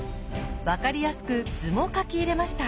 分かりやすく図も書き入れました。